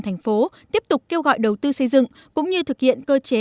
thành phố tiếp tục kêu gọi đầu tư xây dựng cũng như thực hiện cơ chế